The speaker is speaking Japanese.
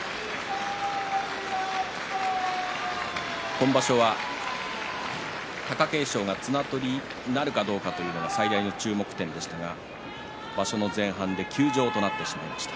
今場所は貴景勝が綱取りなるかどうかというのが最大の注目点でしたが場所の前半で休場となってしまいました。